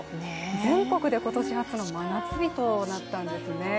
全国で今年初の真夏日となったんですね。